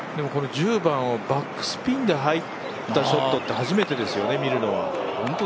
この１０番をバックスピンで入ったショットって初めてでしたよね、見るのは。